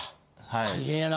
大変やな。